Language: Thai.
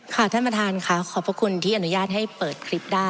ท่านประธานค่ะขอบพระคุณที่อนุญาตให้เปิดคลิปได้